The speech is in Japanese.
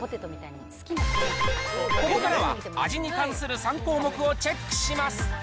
ここからは味に関する３項目をチェックします。